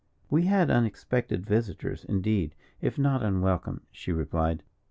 "We had unexpected visitors indeed, if not unwelcome," she replied.